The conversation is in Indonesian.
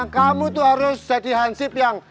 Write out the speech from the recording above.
kamu itu harus jadi hansip yang